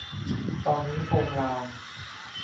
ตอนนี้โปงลาง